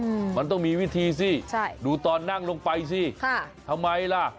อืมมันต้องมีวิธีสิใช่ดูตอนนั่งลงไปสิค่ะทำไมล่ะ